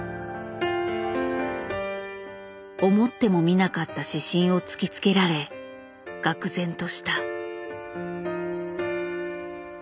思ってもみなかった指針を突きつけられ愕然とした。